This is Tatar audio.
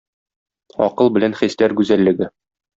Акыл белән хисләр гүзәллеге